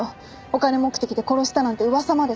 「お金目的で殺した」なんて噂まで立って。